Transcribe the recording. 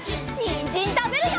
にんじんたべるよ！